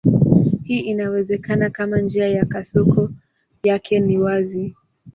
Hii inawezekana kama njia ya kasoko yake ni wazi.